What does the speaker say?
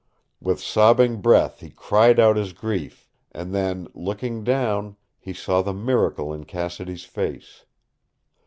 With sobbing breath he cried out his grief, and then, looking down, he saw the miracle in Cassidy's face.